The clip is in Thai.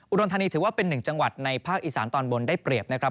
อุดรธานีถือว่าเป็นหนึ่งจังหวัดในภาคอีสานตอนบนได้เปรียบนะครับ